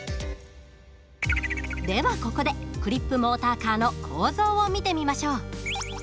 ではここでクリップモーターカーの構造を見てみましょう。